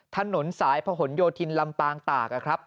ถนนสายพะหนโยธินลำปางตากครับ